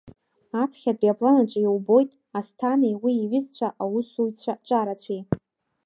Аԥхьатәи апланаҿы иубоит Асҭанеи уи иҩзцәа аусуҩцәа ҿарацәеи.